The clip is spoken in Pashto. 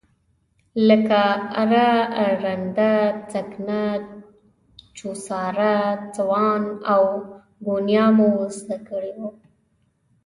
لکه اره، رنده، سکنه، چوسار، سوان او ګونیا مو زده کړي وو.